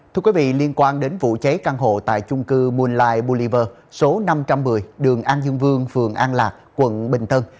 thưa quý vị liên quan đến vụ cháy căn hộ tại chung cư moonline boliver số năm trăm một mươi đường an dương vương phường an lạc quận bình tân